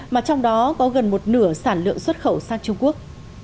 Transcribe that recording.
mà trong đó có gần một nửa sản lượng xuất khẩu sang trung quốc